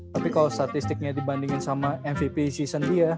tapi kalau statistiknya dibandingin sama mvp season dia